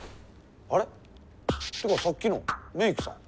あれ？ってかさっきのメークさん。